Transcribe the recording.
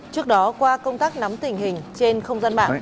trước đó qua công tác nắm tình hình trên không gian mạng